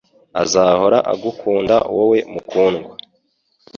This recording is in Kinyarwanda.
Azahora agukunda Wowe Mukundwa